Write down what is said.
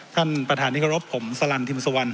ท่านประธานิกระรบผมสลันทิมสวรรค์